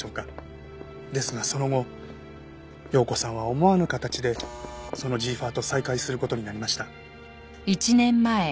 ですがその後葉子さんは思わぬ形でそのジーファーと再会する事になりました。